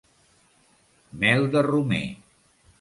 Mel de romer!